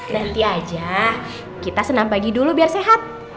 nanti aja kita senam pagi dulu biar sehat